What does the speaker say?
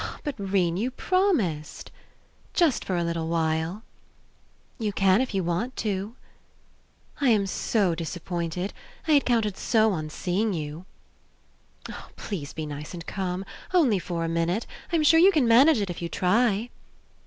... But, 'Rene, you promised! Just for a little while. ... You can if you want to. ... I am so disappointed. I had counted so on seeing you. ... Please be nice and come. Only for a minute. I'm sure you can manage it If you try.